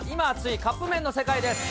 カップ麺の世界です。